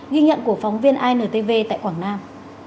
ghi nhận của phóng viên intv tại quảng nam